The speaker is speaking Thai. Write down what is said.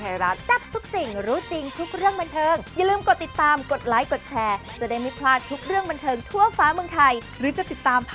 ถูกต้องนะ